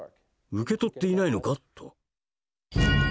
受け取っていないのか？」と。